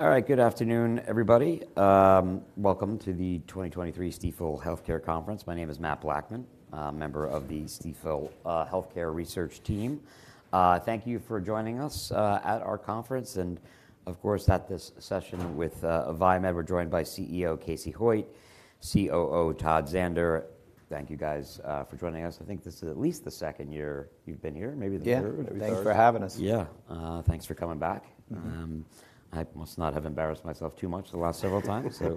All right. Good afternoon, everybody. Welcome to the 2023 Stifel Healthcare Conference. My name is Matthew Blackman, a member of the Stifel Healthcare Research Team. Thank you for joining us at our conference, and of course, at this session with Viemed. We're joined by CEO Casey Hoyt; COO, Todd Zehnder. Thank you, guys, for joining us. I think this is at least the second year you've been here, maybe the third? Thanks for having us. Yeah. Thanks for coming back. I must not have embarrassed myself too much the last several times. So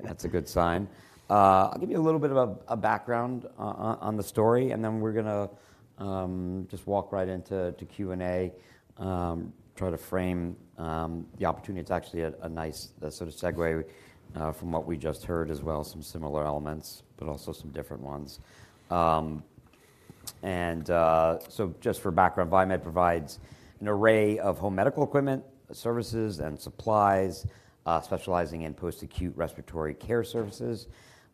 that's a good sign. I'll give you a little bit of a background on the story, and then we're gonna just walk right into Q&A, try to frame the opportunity. It's actually a nice sort of segue from what we just heard as well, some similar elements, but also some different ones. And so just for background, Viemed provides an array of home medical equipment, services, and supplies, specializing in post-acute respiratory care services,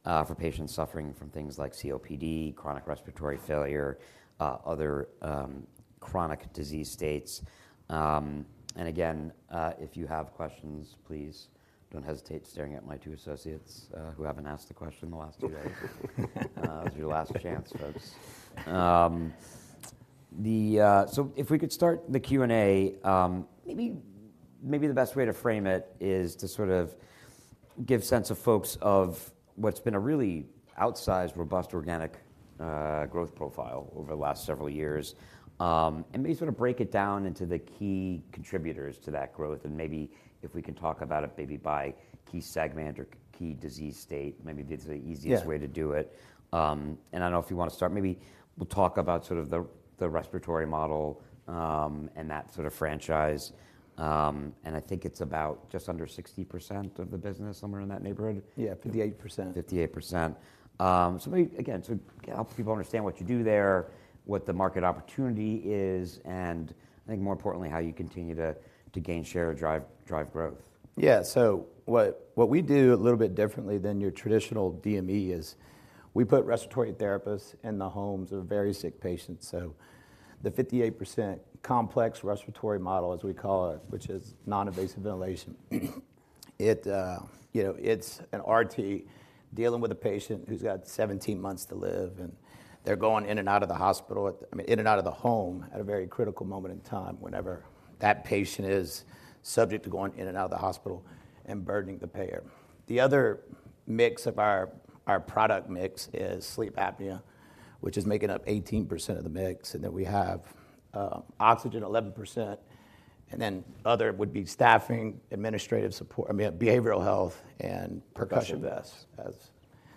for patients suffering from things like COPD, chronic respiratory failure, other chronic disease states. And again, if you have questions, please don't hesitate staring at my two associates, who haven't asked a question in the last two days. It's your last chance, folks. So if we could start the Q&A, maybe, maybe the best way to frame it is to sort of give sense to folks of what's been a really outsized, robust, organic, growth profile over the last several years. And maybe sort of break it down into the key contributors to that growth, and maybe if we can talk about it, maybe by key segment or key disease state, maybe that's the easiest way to do it. I don't know if you want to start. Maybe we'll talk about sort of the, the respiratory model, and that sort of franchise. I think it's about just under 60% of the business, somewhere in that neighborhood. Yeah, 58%. 58%. So maybe again, help people understand what you do there, what the market opportunity is, and I think more importantly, how you continue to gain share or drive growth. Yeah. So what we do a little bit differently than your traditional DME is, we put respiratory therapists in the homes of very sick patients. So the 58% complex respiratory model, as we call it, which is non-invasive ventilation, it, you know, it's an RT dealing with a patient who's got 17 months to live, and they're going in and out of the hospital, I mean, in and out of the home at a very critical moment in time whenever that patient is subject to going in and out of the hospital and burdening the payer. The other mix of our product mix is sleep apnea, which is making up 18% of the mix, and then we have, oxygen, 11%, and then other would be staffing, administrative support, I mean, behavioral health and percussion. Behavioral vest.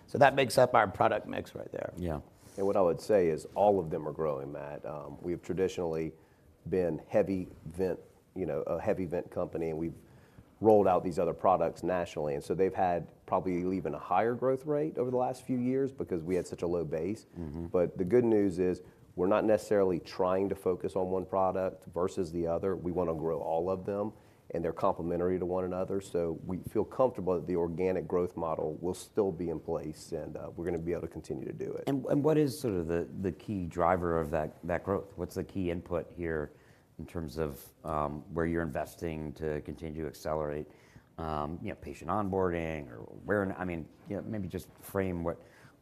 So that makes up our product mix right there. What I would say is all of them are growing, Matt. We've traditionally been heavy vent, you know, a heavy vent company, and we've rolled out these other products nationally, and so they've had probably even a higher growth rate over the last few years because we had such a low base. The good news is, we're not necessarily trying to focus on one product versus the other. We want to grow all of them, and they're complementary to one another. We feel comfortable that the organic growth model will still be in place, and we're gonna be able to continue to do it. And what is sort of the key driver of that growth? What's the key input here in terms of where you're investing to continue to accelerate, you know, patient onboarding or where, I mean, you know, maybe just frame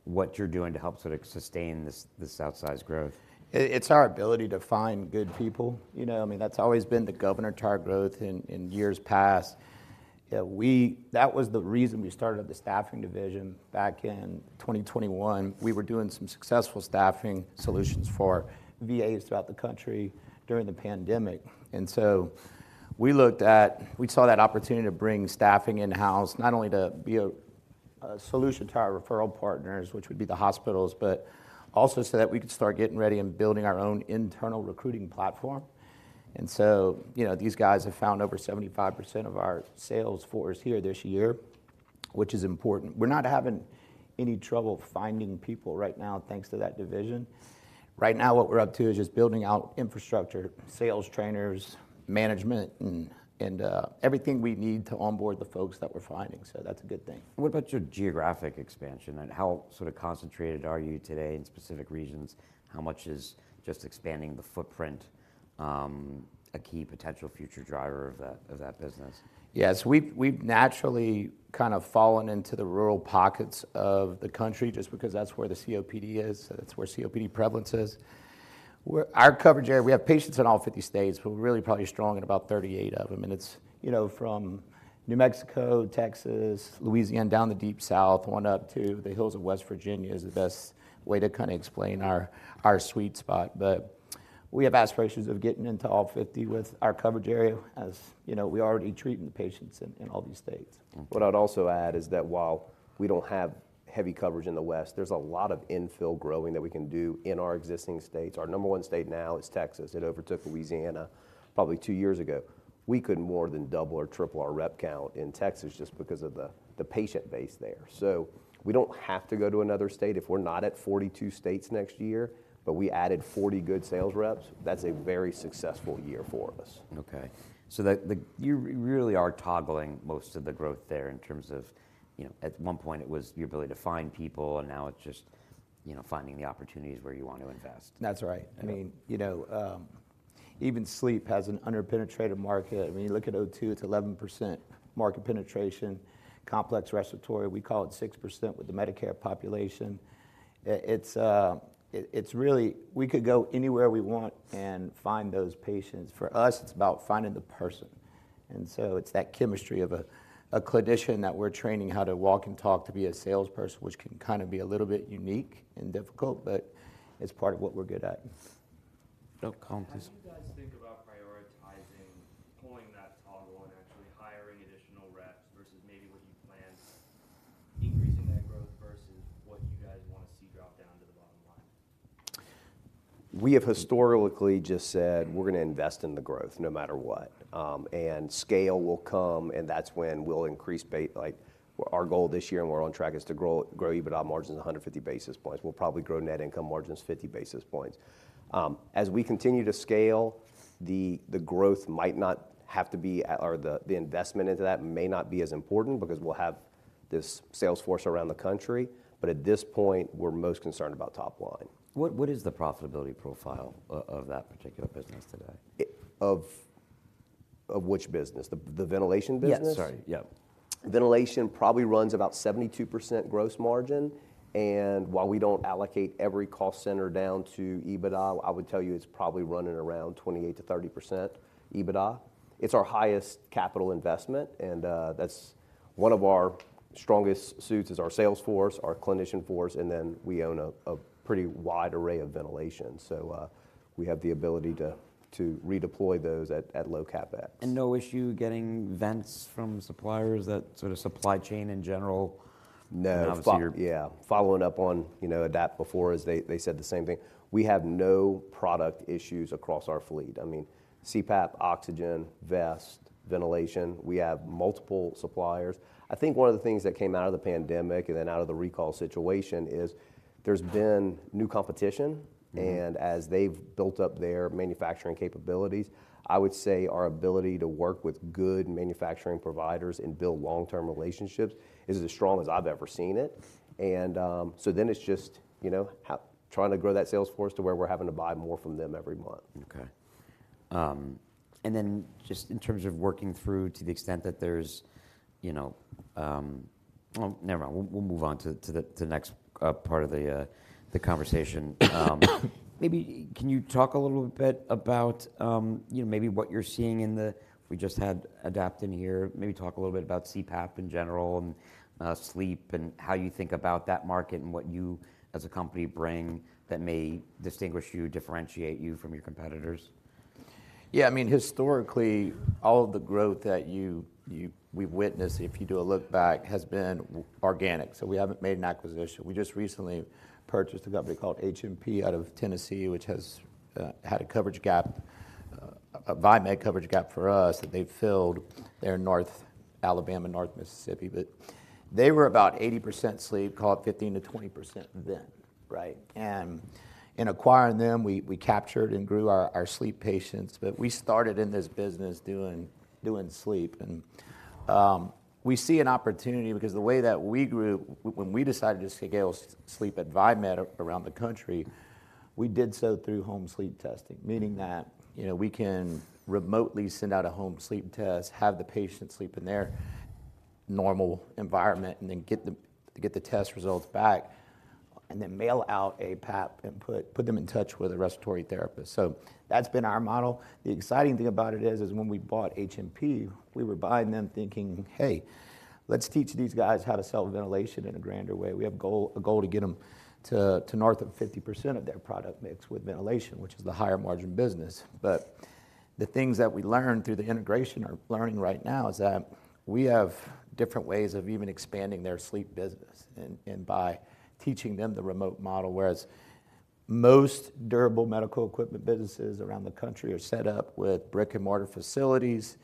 what you're doing to help sort of sustain this outsized growth. It's our ability to find good people, you know? I mean, that's always been the governor to our growth in years past. We. That was the reason we started the staffing division back in 2021. We were doing some successful staffing solutions for VAs throughout the country during the pandemic, and so we saw that opportunity to bring staffing in-house, not only to be a solution to our referral partners, which would be the hospitals, but also so that we could start getting ready and building our own internal recruiting platform. And so, you know, these guys have found over 75% of our sales force here this year, which is important. We're not having any trouble finding people right now, thanks to that division. Right now, what we're up to is just building out infrastructure, sales trainers, management, and everything we need to onboard the folks that we're finding. So that's a good thing. What about your geographic expansion, and how sort of concentrated are you today in specific regions? How much is just expanding the footprint, a key potential future driver of that, of that business? Yes. We've naturally kind of fallen into the rural pockets of the country just because that's where the COPD is. That's where COPD prevalence is. Our coverage area, we have patients in all 50 states, but we're really probably strong in about 38 of them, and it's, you know, from New Mexico, Texas, Louisiana, down the Deep South, on up to the hills of West Virginia, is the best way to kinda explain our sweet spot. But we have aspirations of getting into all 50 with our coverage area, as, you know, we're already treating the patients in all these states. Okay. What I'd also add is that while we don't have heavy coverage in the West, there's a lot of infill growing that we can do in our existing states. Our number one state now is Texas. It overtook Louisiana probably two years ago. We could more than double or triple our rep count in Texas just because of the patient base there. So we don't have to go to another state. If we're not at 42 states next year, but we added 40 good sales reps, that's a very successful year for us. Okay. So you really are toggling most of the growth there in terms of, you know, at one point it was your ability to find people, and now it's just you know, finding the opportunities where you want to invest. That's right. I mean, you know, even sleep is an underpenetrated market. I mean, you look at O2, it's 11% market penetration. Complex respiratory, we call it 6% with the Medicare population. It's really, we could go anywhere we want and find those patients. For us, it's about finding the person, and so it's that chemistry of a clinician that we're training how to walk and talk to be a salesperson, which can kind of be a little bit unique and difficult, but it's part of what we're good at. Oh, Colin, just. How do you guys think about prioritizing pulling that toggle and actually hiring additional reps versus maybe what you planned, increasing that growth versus what you guys wanna see drop down to the bottom line? We have historically just said, "We're gonna invest in the growth, no matter what." And scale will come, and that's when we'll increase—like, our goal this year, and we're on track, is to grow, grow EBITDA margins 150 basis points. We'll probably grow net income margins 50 basis points. As we continue to scale, the growth might not have to be at, or the investment into that may not be as important, because we'll have this sales force around the country, but at this point, we're most concerned about top line. What, what is the profitability profile of that particular business today? Of which business? The ventilation business? Yes, sorry. Yeah. Ventilation probably runs about 72% gross margin, and while we don't allocate every cost center down to EBITDA, I would tell you it's probably running around 28%-30% EBITDA margins. It's our highest capital investment, and that's one of our strongest suits, is our sales force, our clinician force, and then we own a pretty wide array of ventilation. So, we have the ability to redeploy those at low CapEx. No issue getting vents from suppliers, that sort of supply chain in general? No. Obviously, you're. Yeah. Following up on, you know, Adapt before, as they, they said the same thing: We have no product issues across our fleet. I mean, CPAP, oxygen, vest, ventilation, we have multiple suppliers. I think one of the things that came out of the pandemic and then out of the recall situation is, there's been new competition. As they've built up their manufacturing capabilities, I would say our ability to work with good manufacturing providers and build long-term relationships is as strong as I've ever seen it. So then it's just, you know, trying to grow that sales force to where we're having to buy more from them every month. Okay. And then just in terms of working through to the extent that there's, you know. Well, never mind. We'll, we'll move on to the, to the next, part of the, the conversation. Maybe can you talk a little bit about, you know, maybe what you're seeing. We just had Adapt in here, maybe talk a little bit about CPAP in general and, sleep, and how you think about that market and what you as a company bring that may distinguish you, differentiate you from your competitors. Yeah, I mean, historically, all of the growth that you, we've witnessed, if you do a look back, has been organic, so we haven't made an acquisition. We just recently purchased a company called HMP out of Tennessee, which has had a coverage gap, a Viemed coverage gap for us that they've filled. They're in North Alabama, North Mississippi, but they were about 80% sleep, call it 15%-20% vent, right? And in acquiring them, we captured and grew our sleep patients, but we started in this business doing sleep. We see an opportunity because the way that we grew, when we decided to scale sleep at Viemed around the country, we did so through home sleep testing, meaning that, you know, we can remotely send out a home sleep test, have the patient sleep in their normal environment, and then get the test results back, and then mail out a PAP and put them in touch with a respiratory therapist. So that's been our model. The exciting thing about it is when we bought HMP, we were buying them thinking: "Hey, let's teach these guys how to sell ventilation in a grander way." We have a goal to get them to north of 50% of their product mix with ventilation, which is the higher margin business. But the things that we learned through the integration, or learning right now, is that we have different ways of even expanding their sleep business and by teaching them the remote model, whereas most durable medical equipment businesses around the country are set up with brick-and-mortar facilities.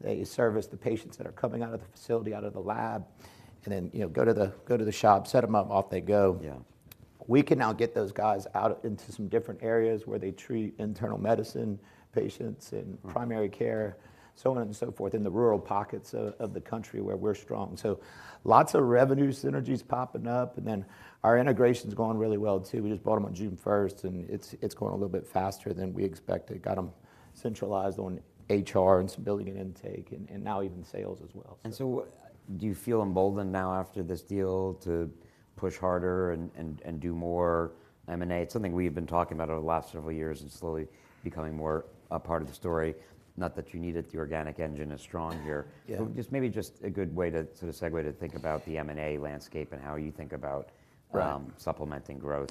They service the patients that are coming out of the facility, out of the lab, and then, you know, go to the shop, set them up, off they go. We can now get those guys out into some different areas where they treat internal medicine patients and primary care, so on and so forth, in the rural pockets of the country where we're strong. So lots of revenue synergies popping up, and then our integration's going really well, too. We just bought them on June 1st, and it's going a little bit faster than we expected. Got them centralized on HR and some billing and intake and now even sales as well. So, do you feel emboldened now after this deal to push harder and do more M&A? It's something we've been talking about over the last several years and slowly becoming more a part of the story, not that you need it. The organic engine is strong here. Just maybe just a good way to sort of segue to think about the M&A landscape and how you think about- Right. Supplementing growth.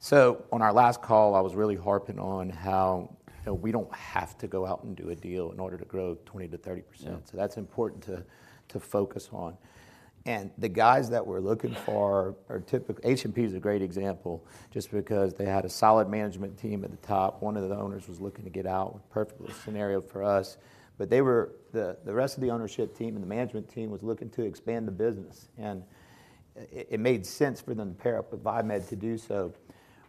So on our last call, I was really harping on how we don't have to go out and do a deal in order to grow 20%-30%. So that's important to focus on. And the guys that we're looking for are a certain type. HMP is a great example, just because they had a solid management team at the top. One of the owners was looking to get out, a perfect scenario for us. But they were. The rest of the ownership team and the management team was looking to expand the business, and it made sense for them to pair up with Viemed to do so.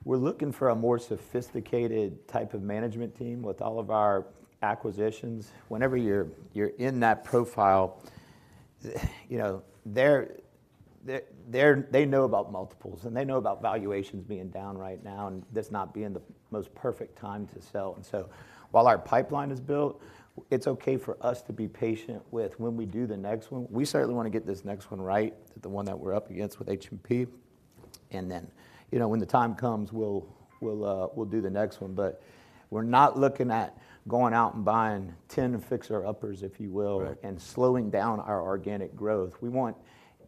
We're looking for a more sophisticated type of management team with all of our acquisitions. Whenever you're in that profile. You know, they know about multiples, and they know about valuations being down right now, and this not being the most perfect time to sell. And so while our pipeline is built, it's okay for us to be patient with when we do the next one. We certainly wanna get this next one right, the one that we're up against with HMP. And then, you know, when the time comes, we'll do the next one. But we're not looking at going out and buying 10 fixer-uppers, if you will- Right. And slowing down our organic growth. We want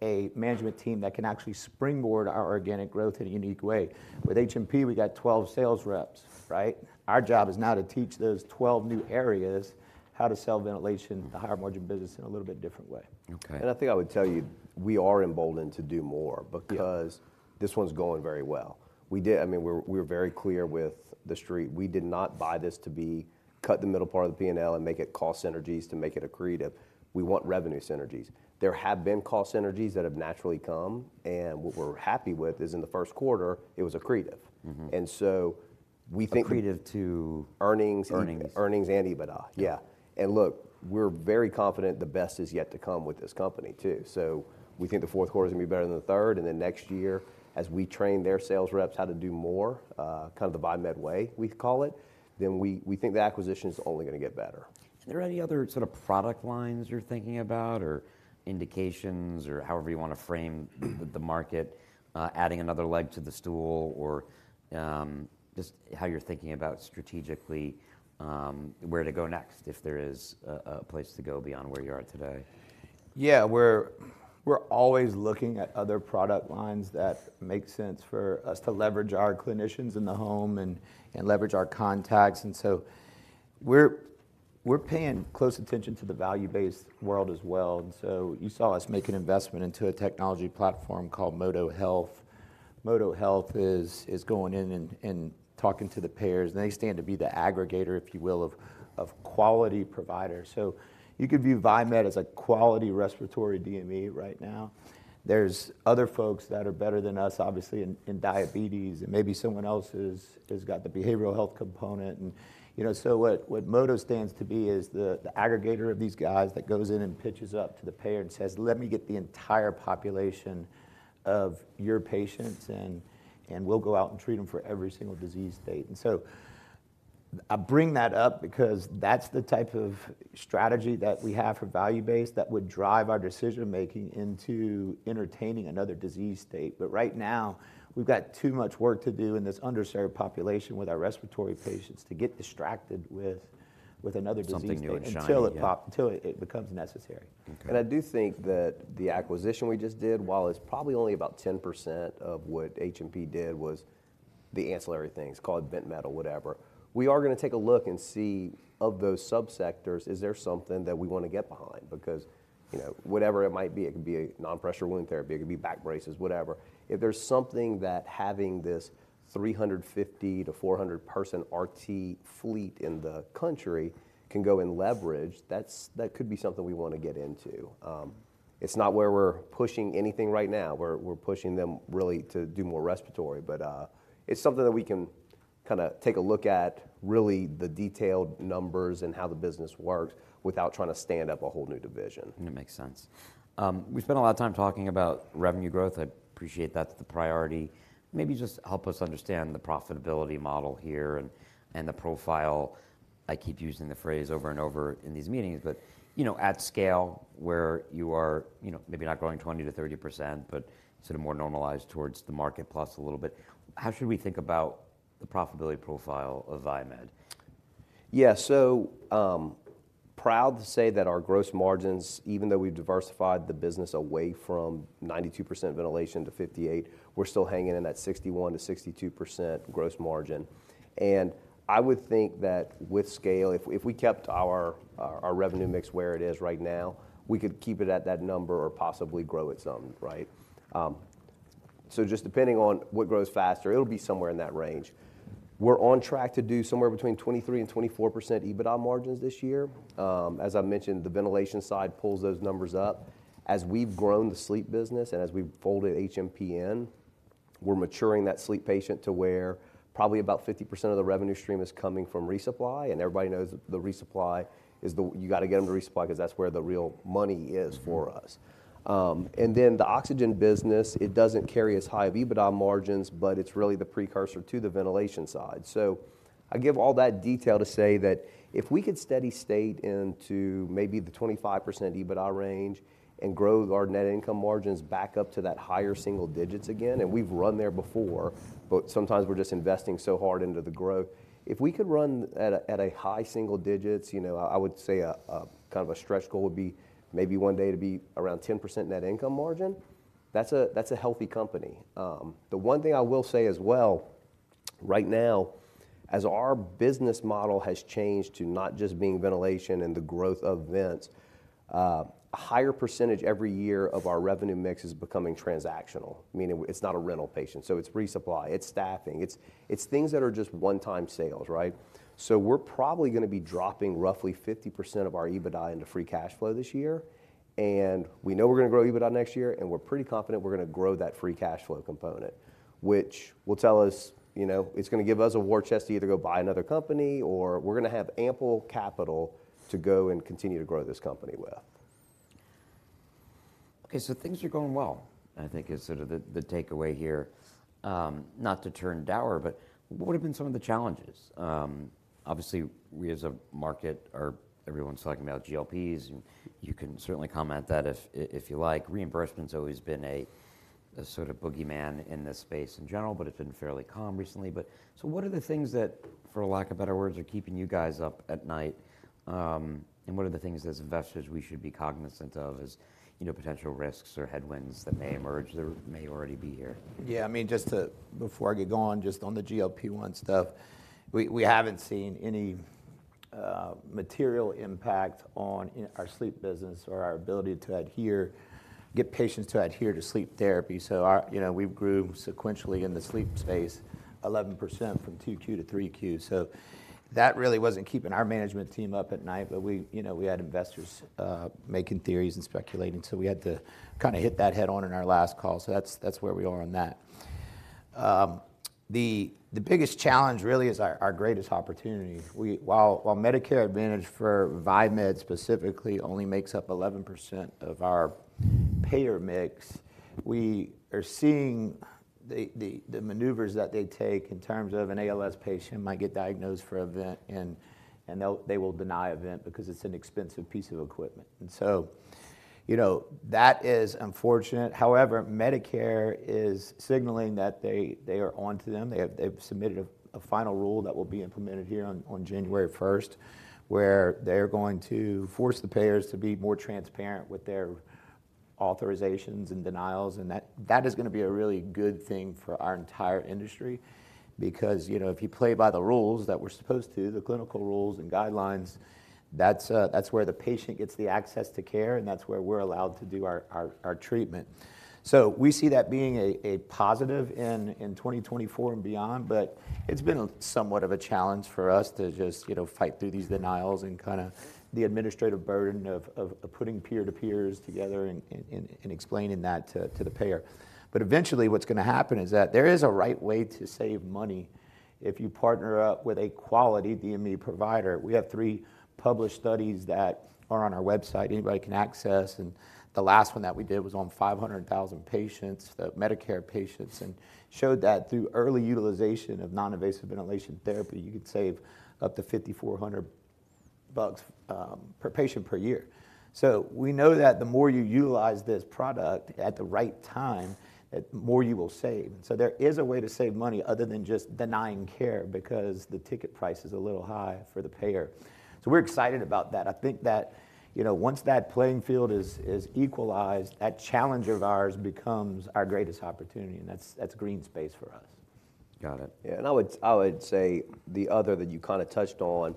a management team that can actually springboard our organic growth in a unique way. With HMP, we got 12 sales reps, right? Our job is now to teach those 12 new areas how to sell ventilation, the higher margin business, in a little bit different way. Okay. I think I would tell you, we are emboldened to do more because this one's going very well. We did—I mean, we're very clear with the Street. We did not buy this to be, cut the middle part of the P&L and make it cost synergies to make it accretive. We want revenue synergies. There have been cost synergies that have naturally come, and what we're happy with is in the first quarter, it was accretive. And so we think. Accretive to. Earnings. Earnings. Earnings and EBITDA. Yeah. And look, we're very confident the best is yet to come with this company too. So we think the fourth quarter is gonna be better than the third, and then next year, as we train their sales reps how to do more, kind of the Viemed way, we call it, then we think the acquisition is only gonna get better. Are there any other sort of product lines you're thinking about, or indications, or however you wanna frame the market, adding another leg to the stool, or just how you're thinking about strategically where to go next, if there is a place to go beyond where you are today? Yeah, we're always looking at other product lines that make sense for us to leverage our clinicians in the home and leverage our contacts. So we're paying close attention to the value-based world as well. You saw us make an investment into a technology platform called ModoHealth. ModoHealth is going in and talking to the payers, and they stand to be the aggregator, if you will, of quality providers. So you could view Viemed as a quality respiratory DME right now. There's other folks that are better than us, obviously, in diabetes, and maybe someone else has got the behavioral health component. And, you know, so what Modo stands to be is the aggregator of these guys that goes in and pitches up to the payer and says, "Let me get the entire population of your patients, and we'll go out and treat them for every single disease state." And so I bring that up because that's the type of strategy that we have for value-based that would drive our decision-making into entertaining another disease state. But right now, we've got too much work to do in this underserved population with our respiratory patients to get distracted with another disease state- Something new and shiny, yeah. Until it becomes necessary. Okay. I do think that the acquisition we just did, while it's probably only about 10% of what HMP did, was the ancillary things called bent metal, whatever. We are gonna take a look and see, of those subsectors, is there something that we wanna get behind? Because, you know, whatever it might be, it could be a negative pressure wound therapy, it could be back braces, whatever. If there's something that having this 350-400 person RT fleet in the country can go and leverage, that could be something we wanna get into. It's not where we're pushing anything right now. We're pushing them really to do more respiratory, but it's something that we can kinda take a look at, really the detailed numbers and how the business works without trying to stand up a whole new division. It makes sense. We've spent a lot of time talking about revenue growth. I appreciate that's the priority. Maybe just help us understand the profitability model here and the profile. I keep using the phrase over and over in these meetings, but you know, at scale, where you are, you know, maybe not growing 20%-30%, but sort of more normalized towards the market plus a little bit, how should we think about the profitability profile of Viemed? Yeah. So, proud to say that our gross margins, even though we've diversified the business away from 92% ventilation to 58, we're still hanging in that 61%-62% gross margin. And I would think that with scale, if we kept our revenue mix where it is right now, we could keep it at that number or possibly grow it some, right? So just depending on what grows faster, it'll be somewhere in that range. We're on track to do somewhere between 23%-24% EBITDA margins this year. As I mentioned, the ventilation side pulls those numbers up. As we've grown the sleep business and as we've folded HMP, we're maturing that sleep patient to where probably about 50% of the revenue stream is coming from resupply, and everybody knows the resupply is the you gotta get them to resupply because that's where the real money is for us. And then the oxygen business, it doesn't carry as high of EBITDA margins, but it's really the precursor to the ventilation side. So I give all that detail to say that if we could steady state into maybe the 25% EBITDA range and grow our net income margins back up to that higher single digits again, and we've run there before, but sometimes we're just investing so hard into the growth. If we could run at a high single digits, you know, I would say a kind of stretch goal would be maybe one day to be around 10% net income margin. That's a healthy company. The one thing I will say as well, right now, as our business model has changed to not just being ventilation and the growth of vents, a higher percentage every year of our revenue mix is becoming transactional, meaning it's not a rental patient. So it's resupply, it's staffing, it's things that are just one-time sales, right? So we're probably gonna be dropping roughly 50% of our EBITDA into free cash flow this year, and we know we're gonna grow EBITDA next year, and we're pretty confident we're gonna grow that free cash flow component, which will tell us, you know, it's gonna give us a war chest to either go buy another company, or we're gonna have ample capital to go and continue to grow this company with. Okay, so things are going well, I think is sort of the takeaway here. Not to turn dour, but what have been some of the challenges? Obviously, we as a market are, everyone's talking about GLPs, and you can certainly comment that if you like. Reimbursement's always been a sort of boogeyman in this space in general, but it's been fairly calm recently. But so what are the things that, for lack of better words, are keeping you guys up at night? And what are the things, as investors, we should be cognizant of as, you know, potential risks or headwinds that may emerge, that may already be here? Yeah, I mean, just to, before I get going, just on the GLP-1 stuff, we haven't seen any material impact on our sleep business or our ability to adhere, get patients to adhere to sleep therapy. So our, you know, we've grown sequentially in the sleep space, 11% from 2Q to 3Q. So that really wasn't keeping our management team up at night. But we, you know, we had investors making theories and speculating, so we had to kinda hit that head-on in our last call. So that's where we are on that. The biggest challenge really is our greatest opportunity. While Medicare Advantage for Viemed specifically only makes up 11% of our payer mix, we are seeing the maneuvers that they take in terms of an ALS patient might get diagnosed for a vent, and they'll deny a vent because it's an expensive piece of equipment. And so, you know, that is unfortunate. However, Medicare is signaling that they are on to them. They've submitted a final rule that will be implemented here on January 1st, where they're going to force the payers to be more transparent with their authorizations and denials, and that is gonna be a really good thing for our entire industry. Because, you know, if you play by the rules that we're supposed to, the clinical rules and guidelines, that's where the patient gets the access to care, and that's where we're allowed to do our treatment. So we see that being a positive in 2024 and beyond, but it's been somewhat of a challenge for us to just, you know, fight through these denials and kinda the administrative burden of putting peer-to-peers together and explaining that to the payer. But eventually, what's gonna happen is that there is a right way to save money if you partner up with a quality DME provider. We have three published studies that are on our website anybody can access, and the last one that we did was on 500,000 patients, Medicare patients, and showed that through early utilization of non-invasive ventilation therapy, you could save up to $5,400 per patient per year. So we know that the more you utilize this product at the right time, the more you will save. So there is a way to save money other than just denying care because the ticket price is a little high for the payer. So we're excited about that. I think that, you know, once that playing field is equalized, that challenge of ours becomes our greatest opportunity, and that's green space for us. Got it. Yeah, and I would, I would say the other that you kinda touched on,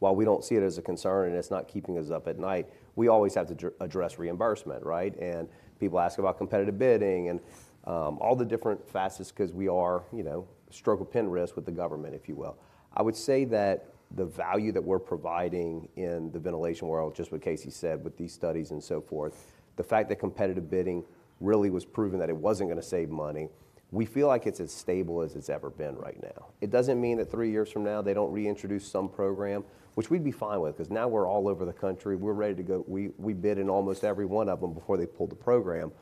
while we don't see it as a concern and it's not keeping us up at night, we always have to address reimbursement, right? And people ask about Competitive Bidding and all the different facets, 'cause we are, you know, at stroke of pen risk with the government, if you will. I would say that the value that we're providing in the ventilation world, just what Casey said, with these studies and so forth, the fact that Competitive Bidding really was proven that it wasn't gonna save money, we feel like it's as stable as it's ever been right now. It doesn't mean that three years from now, they don't reintroduce some program, which we'd be fine with, 'cause now we're all over the country. We're ready to go. We bid in almost every one of them before they pulled the program.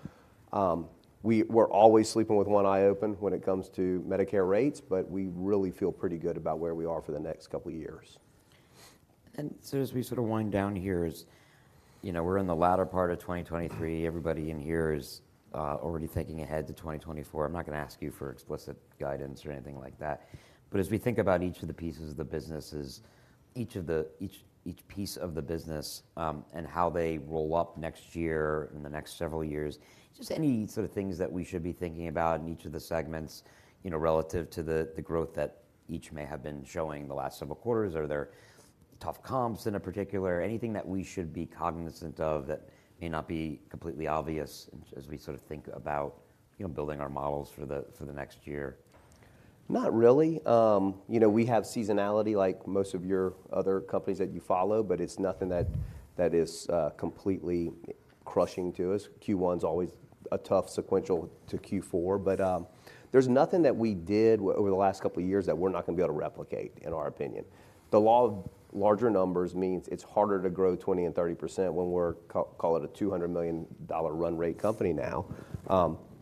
We're always sleeping with one eye open when it comes to Medicare rates, but we really feel pretty good about where we are for the next couple of years. So as we sort of wind down here, as, you know, we're in the latter part of 2023, everybody in here is already thinking ahead to 2024. I'm not gonna ask you for explicit guidance or anything like that. But as we think about each of the pieces of the businesses, each piece of the business, and how they roll up next year and the next several years, just any sort of things that we should be thinking about in each of the segments, you know, relative to the growth that each may have been showing the last several quarters? Are there tough comps in a particular? Anything that we should be cognizant of that may not be completely obvious as we sort of think about, you know, building our models for the next year? Not really. You know, we have seasonality like most of your other companies that you follow, but it's nothing that, that is, completely crushing to us. Q1's always a tough sequential to Q4, but, there's nothing that we did over the last couple of years that we're not gonna be able to replicate, in our opinion. The law of larger numbers means it's harder to grow 20% and 30% when we're call it a $200 million run rate company now.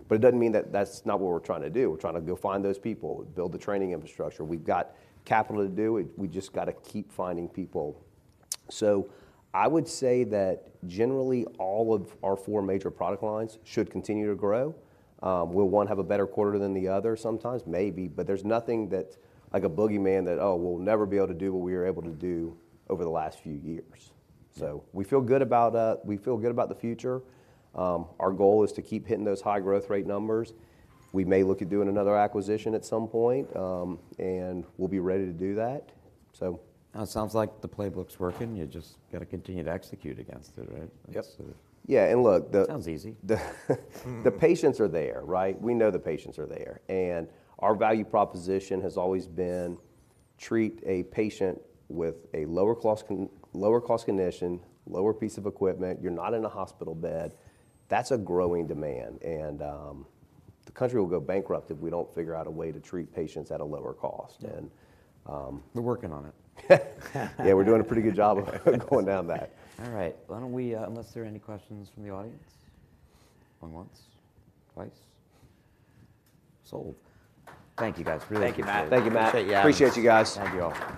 But it doesn't mean that that's not what we're trying to do. We're trying to go find those people, build the training infrastructure. We've got capital to do it, we just gotta keep finding people. So I would say that generally, all of our four major product lines should continue to grow. Will one have a better quarter than the other sometimes? Maybe, but there's nothing that's like a boogeyman that, oh, we'll never be able to do what we were able to do over the last few years. So we feel good about the future. Our goal is to keep hitting those high growth rate numbers. We may look at doing another acquisition at some point, and we'll be ready to do that, so- Sounds like the playbook's working. You just gotta continue to execute against it, right? Yep. So. Yeah, and look. Sounds easy. The patients are there, right? We know the patients are there, and our value proposition has always been, treat a patient with a lower cost condition, lower piece of equipment, you're not in a hospital bed. That's a growing demand, and the country will go bankrupt if we don't figure out a way to treat patients at a lower cost. We're working on it. Yeah, we're doing a pretty good job of going down that. All right, why don't we. Unless there are any questions from the audience? Once, twice. Sold. Thank you, guys. Really appreciate it. Thank you, Matt. Thank you, Matt. Appreciate you guys. Appreciate you guys. Thank you all.